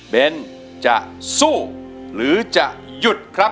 เป็นจะสู้หรือจะหยุดครับ